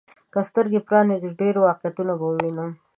که سترګي پرانيزو، ډېر واقعيتونه به ووينو.